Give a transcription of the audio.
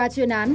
ba chuyên án